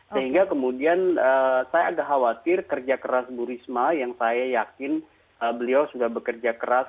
sehingga kemudian saya agak khawatir kerja keras bu risma yang saya yakin beliau sudah bekerja keras